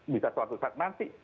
bisa suatu saat nanti